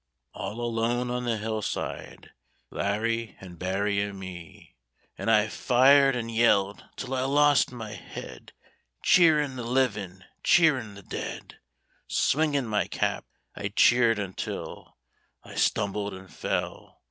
All alone on the hillside Larry an' Barry an' me; An' I fired an' yelled till I lost my head, Cheerin' the livin', cheerin' the dead, Swingin' my cap, I cheered until I stumbled and fell.